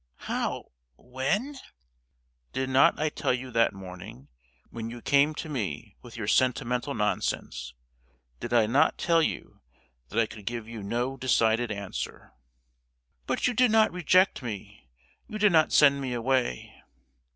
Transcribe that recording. "How, when?" "Did not I tell you that morning, when you came to me with your sentimental nonsense—did I not tell you that I could give you no decided answer?" "But you did not reject me; you did not send me away.